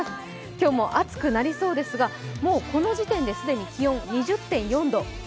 今日も暑くなりそうですが、もうこの時点で既に気温は２０．４度。